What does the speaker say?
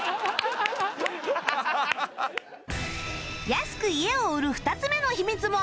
安く家を売る２つ目の秘密も暴かれた